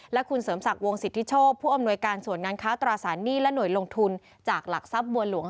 และคุณเสริมศักดิ์วงสิทธิโชคผู้อำนวยการส่วนงานค้าตราสารหนี้และหน่วยลงทุนจากหลักทรัพย์บัวหลวง